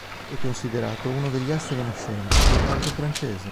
È considerato uno degli astri nascenti del calcio francese.